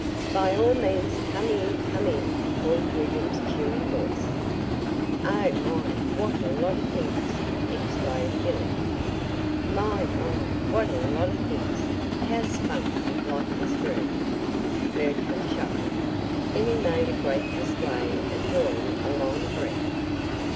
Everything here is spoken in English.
"By all means! Come in come in," called William's cheery voice. "Oh, my, what a lot of things!" exclaimed Billy. "My my what a lot of things! How Spunk will like this room!" Bertram chuckled; then he made a great display of drawing a long breath.